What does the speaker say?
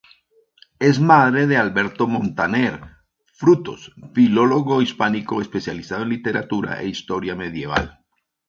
Es madre de Alberto Montaner Frutos, filólogo hispánico especializado en literatura e historia medieval.